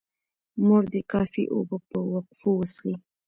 مور دې کافي اوبه په وقفو وڅښي.